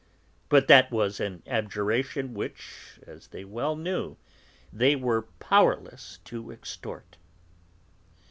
But that was an abjuration which, as they well knew, they were powerless to extort.